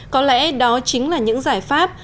có lẽ đó chính là những giải pháp